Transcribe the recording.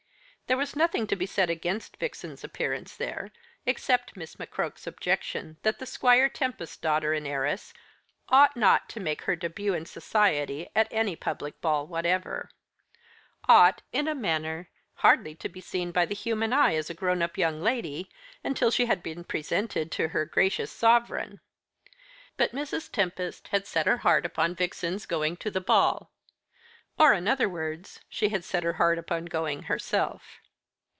There was nothing to be said against Vixen's appearance there, except Miss McCroke's objection that Squire Tempest's daughter and heiress ought not to make her début in society at any public ball whatever; ought, in a manner, hardly to be seen by the human eye as a grown up young lady, until she had been presented to her gracious sovereign. But Mrs. Tempest had set her heart upon Vixen's going to the ball; or, in other words, she had set her heart upon going herself.